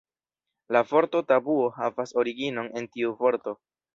La vorto tabuo havas originon en tiu vorto.